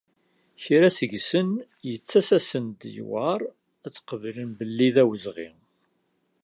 Kra seg-sen yettas-asen-d yewεer ad tt-qeblen belli d awezɣi.